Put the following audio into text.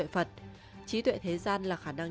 phật trí tuệ thế gian là khả năng